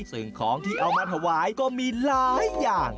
ซึ่งของที่เอามาถวายก็มีหลายอย่าง